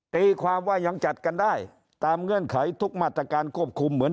ตีความว่ายังจัดกันได้ตามเงื่อนไขทุกมาตรการควบคุมเหมือน